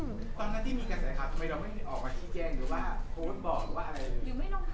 เราเลือกลองภาพที่ยาวเลย